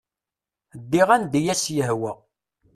Ddiɣ anda i as-yehwa.